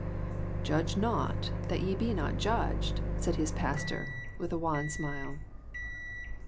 "'Judge not that ye be not judged/" said his pastor, with a wan smile.